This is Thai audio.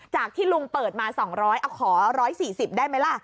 จากที่ลุงเปิดมา๒๐๐อ่ะขอ๑๔๐ได้มั้ยล่ะ